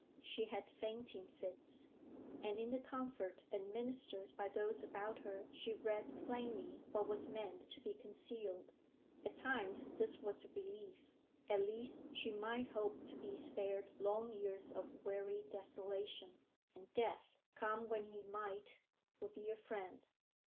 She had fainting fits, and in the comfort administered by those about her she read plainly what was meant to be concealed. At times this was a relief; at least she might hope to be spared long years of weary desolation, and death, come when he might, would be a friend.